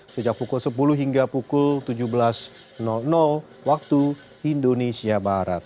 sejak pukul sepuluh hingga pukul tujuh belas waktu indonesia barat